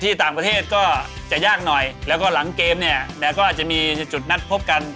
ต่างประเทศก็จะยากหน่อยแล้วก็หลังเกมเนี่ยแล้วก็อาจจะมีจุดนัดพบกัน